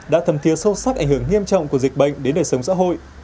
đã thầm thiế sâu sắc ảnh hưởng nghiêm trọng của dịch bệnh đến đời sống xã hội